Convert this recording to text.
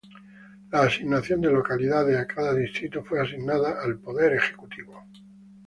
La asignación de localidades a cada distrito fue asignada al Poder Ejecutivo.